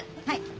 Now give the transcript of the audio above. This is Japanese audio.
はい。